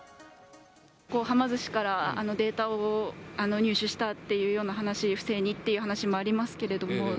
はま寿司からデータを入手したっていうような話、不正にっていう話もありますけれども。